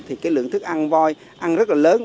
thì cái lượng thức ăn voi ăn rất là lớn